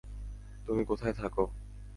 তুমি কোথায় থাক?